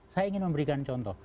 saya ingin memberikan contoh